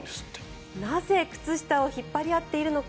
なぜ、靴下を引っ張り合っているのか。